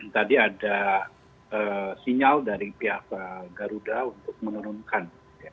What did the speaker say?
tadi ada sinyal dari pihak garuda untuk menurunkan